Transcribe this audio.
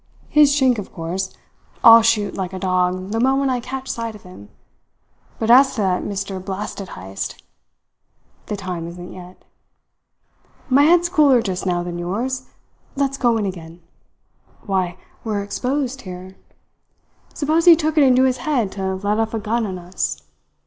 His Chink, of course, I'll shoot like a dog the moment I catch sight of him; but as to that Mr. Blasted Heyst, the time isn't yet. My head's cooler just now than yours. Let's go in again. Why, we are exposed here. Suppose he took it into his head to let off a gun on us!